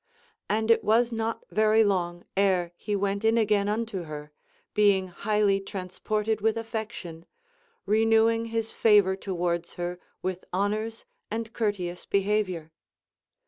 And it was not very long ere he went in again unto her, being highly transported with affection, renewing his favor towards her with honors and courteous behavior.